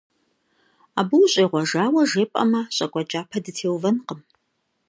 Абы ущӀегъуэжауэ жепӀэмэ, щӀакӀуэ кӀапэ дытеувэнкъым.